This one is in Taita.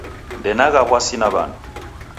Ndenagha w'asi na w'andu.